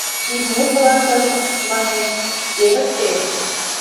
Имнет-влакым, манеш, эрыкте.